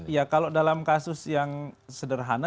iya kalau dalam kasus yang sederhana